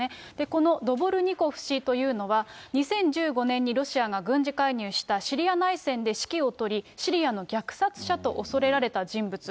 このドボルニコフ氏というのは、２０１５年にロシアが軍事介入したシリア内戦で指揮を執り、シリアの虐殺者と恐れられた人物。